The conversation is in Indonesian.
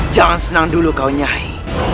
jangan senang dulu kau nyai